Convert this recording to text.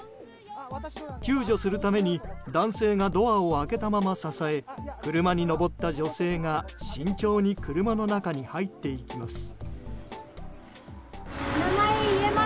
救助するために男性がドアを開けたまま支え車に上った女性が慎重に車の中に入っていきます。